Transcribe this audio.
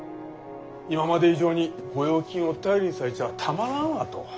今まで以上に御用金を頼りにされちゃあたまらんわと。